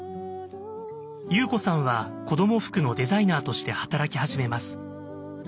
裕子さんは子ども服のデザイナーとして働き始めます。